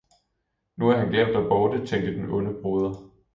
Nu er han glemt og borte, tænkte den onde broder.